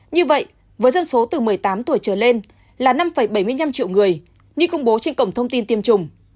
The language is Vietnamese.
như vậy với dân số từ một mươi tám tuổi trở lên là năm bảy mươi năm triệu người đi công bố trên cổng thông tin tiêm chủng